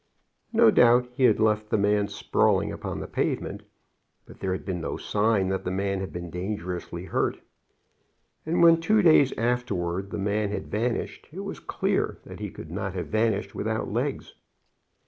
No doubt he had left the man sprawling upon the pavement, but there had been no sign that the man had been dangerously hurt; and when two days afterward the man had vanished, it was clear that he could not have vanished without legs.